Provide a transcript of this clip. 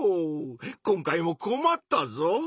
今回もこまったぞ！